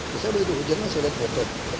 bisa begitu hujan kan sudah terbenam